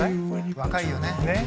若いよね。